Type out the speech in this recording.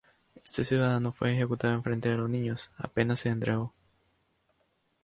Este ciudadano fue ejecutado enfrente de los niños, apenas se entregó.